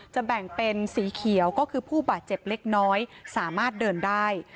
แบ่งเป็นสีเขียวก็คือผู้บาดเจ็บเล็กน้อยสามารถเดินได้